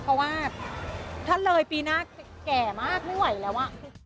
เพราะว่าถ้าเลยปีหน้าแก่มากไม่ไหวแล้วอ่ะ